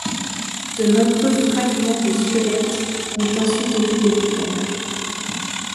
De nombreux fragments du squelette ont ensuite été découverts.